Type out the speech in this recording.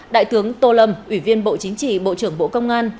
đại tướng tô lâm ủy viên bộ chính trị bộ trưởng bộ công an